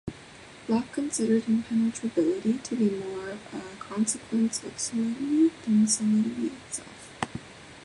Locke considered impenetrability to be more a consequence of solidity, than solidity itself.